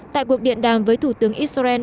tại cuộc điện đàm với thủ tướng israel